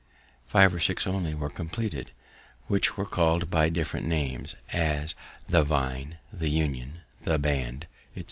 Five or six only were compleated, which were called by different names, as the Vine, the Union, the Band, etc.